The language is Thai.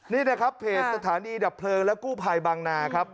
นี่นะครับเพจสถานีดับเพลิงและกู้ภัยบางนาครับ